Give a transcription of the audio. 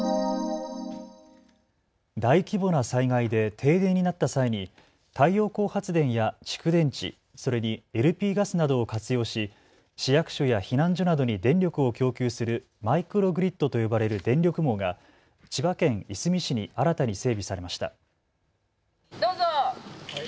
大規模な災害で停電になった際に太陽光発電や蓄電池、それにＬＰガスなどを活用し市役所や避難所などに電力を供給するマイクログリッドと呼ばれる電力網が千葉県いすみ市に新たに整備されました。